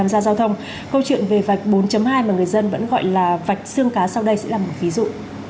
xương cá sau đây sẽ là một ví dụ